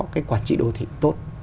cái quản trị đô thị tốt